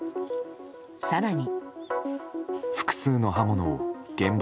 更に。